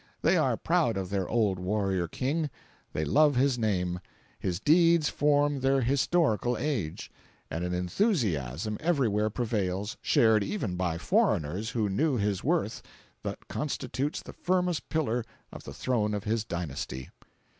They are proud of their old warrior King; they love his name; his deeds form their historical age; and an enthusiasm everywhere prevails, shared even by foreigners who knew his worth, that constitutes the firmest pillar of the throne of his dynasty.